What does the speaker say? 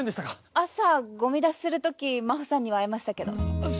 朝ゴミ出しする時真帆さんには会いましたけど。